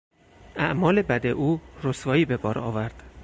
اعمال بد او رسوایی به بار آورد.